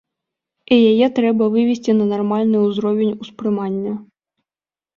І яе трэба вывесці на нармальны ўзровень успрымання.